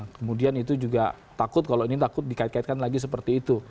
kemudian itu juga takut kalau ini takut dikait kaitkan lagi seperti itu